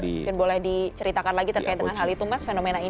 mungkin boleh diceritakan lagi terkait dengan hal itu mas fenomena ini